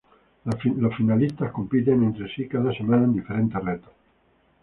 Las finalistas compiten entre sí cada semana en diferentes retos.